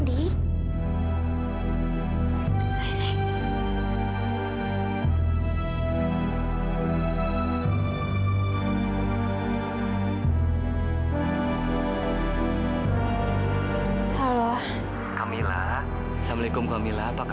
todor unbelokkan rasanya